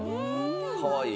かわいい。